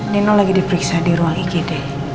nino lagi diperiksa di ruang igd